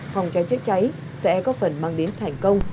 phòng trái chết cháy sẽ có phần mang đến thành công